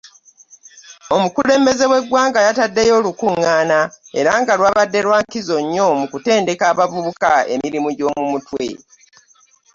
Omukulembeze we ggwanga yataddeyo olukungana era nga lwabadde lwa nkizo nnyo mu kutendeka abavubuka emirimu gyo mu mutwe.